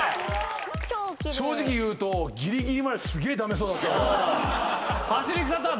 正直言うとぎりぎりまですげえ駄目そうだった。